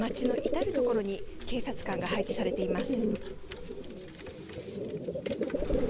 町の至る所に警察官が配置されています。